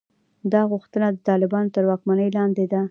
دا غوښتنه د طالبانو تر واکمنۍ لاندې ده.